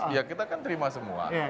ya kita kan terima semua